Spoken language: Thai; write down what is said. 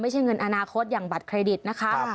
ไม่ใช่เงินอนาคตอย่างบัตรเครดิตนะคะ